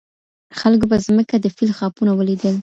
خلګو په ځمکه د فیل خاپونه ولیدل.